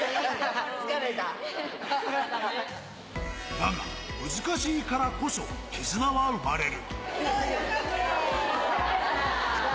だが難しいからこそ、絆は生まれる。